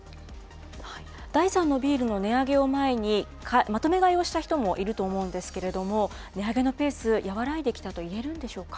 第３のビールの値上げを前に、まとめ買いをした人もいると思うんですけれども、値上げのペース、和らいできたといえるんでしょうか。